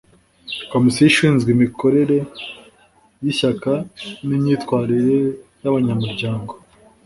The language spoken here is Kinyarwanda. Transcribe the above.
Komosiyo ishinzwe imikorere y’Ishyaka n’imyitwarire y’abanyamuryango